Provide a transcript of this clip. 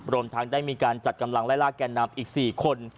รวมทั้งได้มีการจัดกำลังไล่ลากแก่นำอีก๔คน